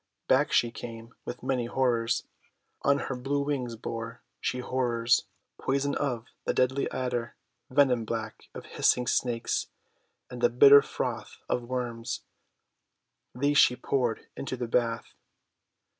Back she came with many horrors. On her blue wings bore she horrors — poison of the deadly Adder, venom black of hissing Snakes, and the bitter froth of Worms. These she poured into the bath.